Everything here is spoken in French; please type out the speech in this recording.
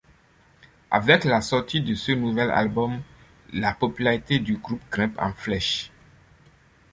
Avec la sortie de ce nouvel album, la popularité du groupe grimpe en flèche.